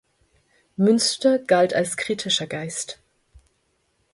Münster galt als kritischer Geist.